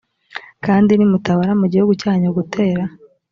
kandi nimutabara mu gihugu cyanyu gutera